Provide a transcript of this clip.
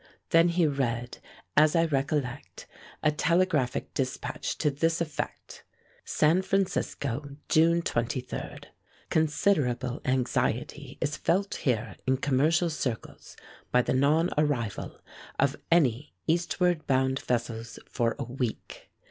Then he read, as I recollect, a telegraphic dispatch to this effect: "SAN FRANCISCO, June 23. Considerable anxiety is felt here in commercial circles by the non arrival of any eastward bound vessels for a week.